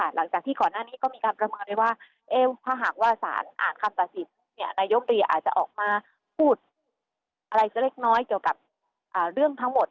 หลังจากที่ก่อนหน้านี้ก็มีการประเมินไว้ว่าถ้าหากว่าสารอ่านคำตัดสินนายกรีอาจจะออกมาพูดอะไรสักเล็กน้อยเกี่ยวกับเรื่องทั้งหมด